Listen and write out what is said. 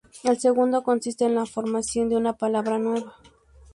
El segundo consiste en la formación de una palabra nueva.